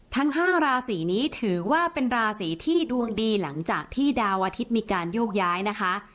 ทั้ง๕ราศีนี้ถือว่าเป็นราศีที่ดวงดีหลังจากที่ดาวอาทิตย์มีการโยกย้ายนะคะ